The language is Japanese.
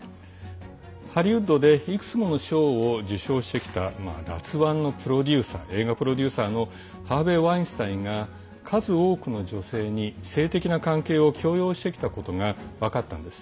ハリウッドで、いくつもの賞を受賞してきた辣腕の映画プロデューサーのハーベイ・ワインスタインが数多くの女性に性的な関係を強要してきたことが分かったんです。